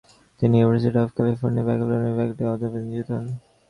তিনি university of California, বার্কলের ব্যাক্টেরিওলজির অধ্যাপক নিযুক্ত হন।